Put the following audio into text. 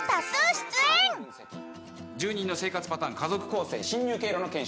「住人の生活パターン家族構成侵入経路の検証。